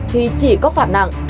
thì chỉ có phạt nặng